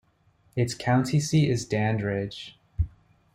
Its county seat is Dandridge.